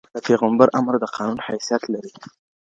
د پيغمبر امر د قانون حیثیت لري.